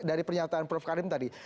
dari pernyataan prof karim tadi